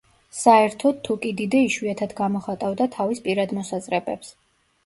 საერთოდ თუკიდიდე იშვიათად გამოხატავდა თავის პირად მოსაზრებებს.